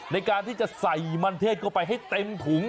ในการที่จะใส่มันเทศเข้าไปให้เต็มถุง